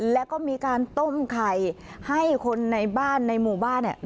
แล้วก็มีการต้มไข่ให้คนในบ้านในหมู่บ้านเนี่ย